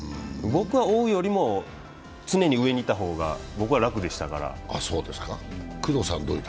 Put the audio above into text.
僕は追うよりも常に上にいた方が楽でしたから。